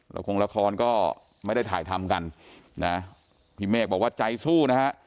ละครงละครก็ไม่ได้ถ่ายทำกันนะพี่เมฆบอกว่าใจสู้นะฮะ